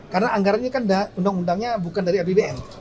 karena anggarannya kan undang undangnya bukan dari apbn